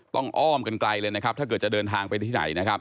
ต้องอ้อมกันไกลเลยถ้าเกิดจะเดินทางไปที่ไหน